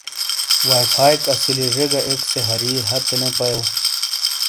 وائی فائیک اسیلی زے گہ ایک سے ہری ہتے نے پایوں۔